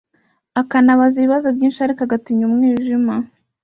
akanabaza ibibazo byinshi ariko agatinya umwijima